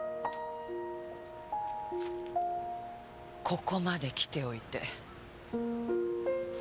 ここまで来ておいて。